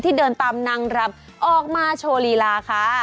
เดินตามนางรำออกมาโชว์ลีลาค่ะ